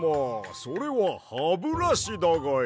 それはハブラシだがや！